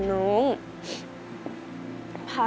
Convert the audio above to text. ขอบคุณครับ